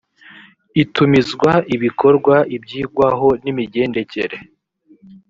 itumizwa ibikorwa ibyigwaho n imigendekere